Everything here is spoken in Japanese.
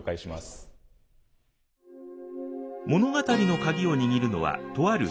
物語の鍵を握るのはとある狐。